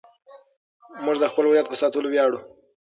موږ د خپل هویت په ساتلو ویاړو.